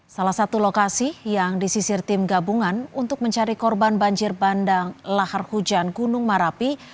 salah satu lokasi yang disisir tim gabungan untuk mencari korban banjir bandang lahar hujan gunung marapi